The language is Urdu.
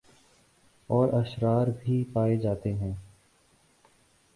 اور اشرار بھی پائے جاتے ہیں